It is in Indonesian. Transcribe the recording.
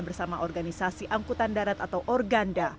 bersama organisasi angkutan darat atau organda